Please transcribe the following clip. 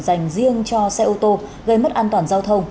dành riêng cho xe ô tô gây mất an toàn giao thông